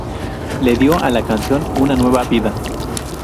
Le dió a la canción una nueva vida.